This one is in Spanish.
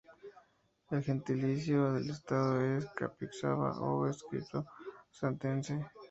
El gentilicio del estado es "capixaba" o espírito-santense.